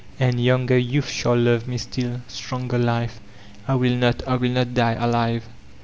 And younger youth shall love me still, stronger life. I will not, I will not die alive."